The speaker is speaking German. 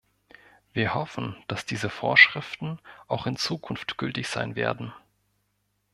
Wir hoffen, dass diese Vorschriften auch in Zukunft gültig sein werden.